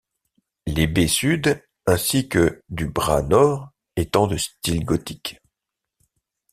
Les baies sud ainsi que du bras nord étant de style gothique.